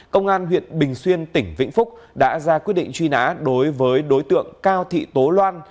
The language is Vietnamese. công an huyện bình xuyên tỉnh vĩnh phúc đã ra quyết định truy nã đối với đối tượng cao thị tố loan